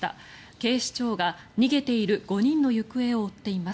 警視庁が逃げている５人の行方を追っています。